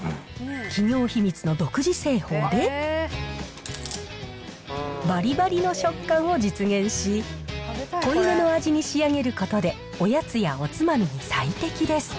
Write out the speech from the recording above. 企業秘密の独自製法で、ばりばりの食感を実現し、濃いめの味に仕上げることで、おやつやおつまみに最適です。